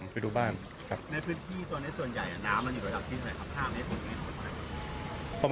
ประมาณ๖เมตรครับ